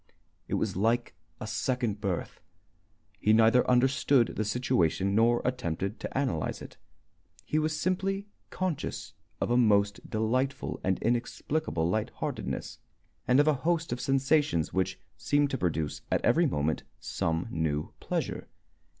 It was like a second birth. He neither understood the situation nor attempted to analyze it. He was simply conscious of a most delightful and inexplicable light heartedness, and of a host of sensations which seemed to produce at every moment some new pleasure.